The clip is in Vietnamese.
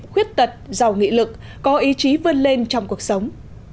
khuyết tật giàu nghị lực có ý chí vươn lên trong cuộc sống